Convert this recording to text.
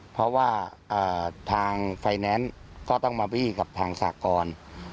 เพราะว่าทางไฟแนนซ์ก็ต้องมาบี้กับทางสากร